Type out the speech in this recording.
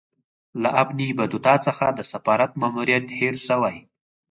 له ابن بطوطه څخه د سفارت ماموریت هېر سوی.